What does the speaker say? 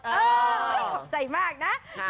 ขอบใจมากนะ